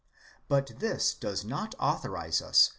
But this does not authorize us.